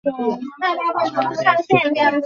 আরে চুপ কর।